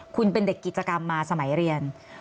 คุณเป็นเด็กกิจกรรมมาสมัยเรียน